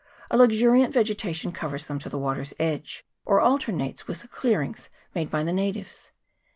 A luxuriant vege tation covers them to the water's edge, or alternates with the clearings made by the natives.